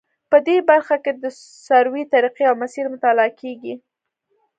په دې برخه کې د سروې طریقې او مسیر مطالعه کیږي